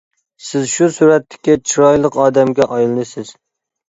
سىز شۇ سۈرەتتىكى چىرايلىق ئادەمگە ئايلىنىسىز.